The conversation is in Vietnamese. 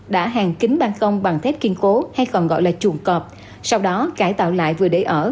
đã hàng kính bàn công bằng thép kiên cố hay còn gọi là chuồng cọp sau đó cải tạo lại vừa để ở